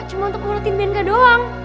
cuma untuk ngurutin benka doang